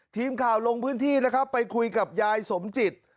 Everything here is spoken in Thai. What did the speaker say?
ทีมข่าวลงพื้นที่นะครับไปคุยกับยายสมจิต